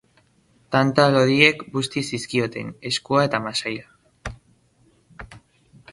Tanta lodiek busti zizkioten eskua eta masaila.